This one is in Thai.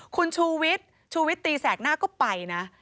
คุณชูวิทย์ชูวิตตีแสกหน้าก็ไปนะ